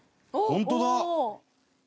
本当だ！